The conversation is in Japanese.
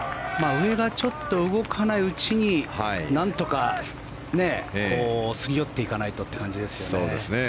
上がちょっと動かないうちになんとかすり寄っていかないとという感じですよね。